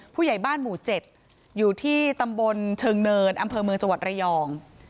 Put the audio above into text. ผู้ใหญ่บ้านหมู่๗อยู่ที่ตำบลเชิงเนินอำเภอเมืองจังหวัดระยอง